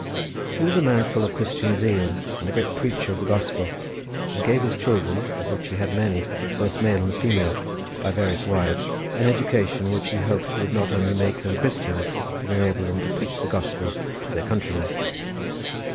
He was a man full of Christian zeal and a great preacher of the Gospel, and gave his children, of which he had many both male and female by various wives, an education which he hoped would not only make them Christians, but enable them to preach the Gospel to their countrymen.